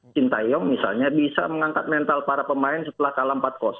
sintayong misalnya bisa mengangkat mental para pemain setelah kalah empat